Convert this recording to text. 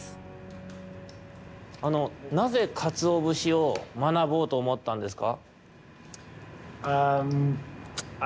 あのなぜかつおぶしをまなぼうとおもったんですか？